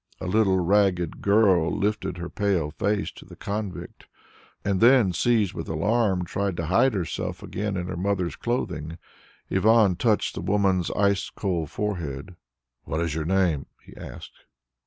A little ragged girl lifted her pale face to the convict, and then, seized with alarm, tried to hide herself again in her mother's clothing. Ivan touched the woman's ice cold forehead. "What is your name?" he asked.